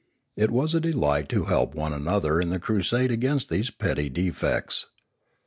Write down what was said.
It was a delight to help one another in the crusade against these petty defects.